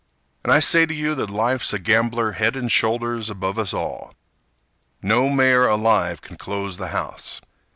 And I say to you that Life's a gambler Head and shoulders above us all. No mayor alive can close the house.